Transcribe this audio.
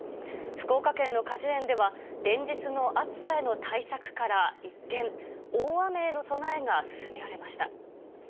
福岡県の果樹園では、連日の暑さへの対策から一転、大雨への備え